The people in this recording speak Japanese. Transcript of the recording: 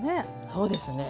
そうですね。